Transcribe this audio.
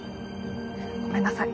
ごめんなさい。